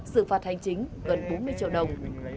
xử phạt hành chính gần bốn mươi triệu đồng